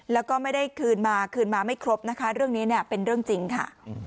แล้วก็ไม่ได้คืนมาคืนมาไม่ครบนะคะเรื่องนี้เนี่ยเป็นเรื่องจริงค่ะ